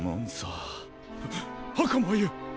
あかまゆ！